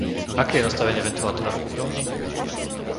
Aké je nastavenie ventilátora v kúpeľni?